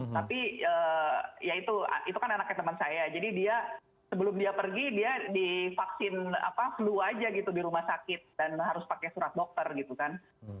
tapi ya itu kan anaknya teman saya jadi dia sebelum dia pergi dia divaksin flu aja gitu di rumah sakit dan harus pakai surat dokter gitu kan